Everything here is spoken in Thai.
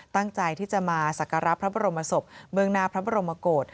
ตั้งใจที่จะมาสักการพระบรมสบเมืองนาประบฏ